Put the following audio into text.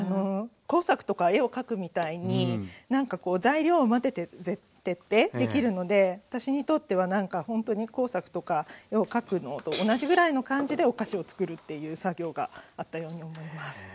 工作とか絵を描くみたいになんかこう材料を混ぜてできるので私にとってはなんかほんとに工作とか絵を描くのと同じぐらいの感じでお菓子をつくるっていう作業があったように思います。